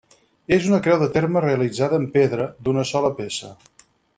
És una creu de terme realitzada en pedra, d'una sola peça.